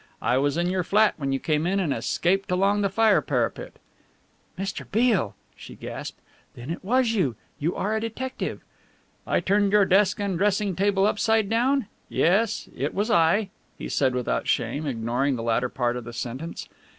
I was in your flat when you came in and escaped along the fire parapet." "Mr. Beale!" she gasped. "Then it was you you are a detective!" "I turned your desk and dressing chest upside down? Yes, it was I," he said without shame, ignoring the latter part of the sentence.